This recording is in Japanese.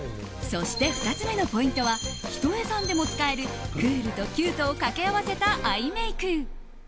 そして、２つ目のポイントは一重さんでも使えるクールとキュートを掛け合わせたアイメイク。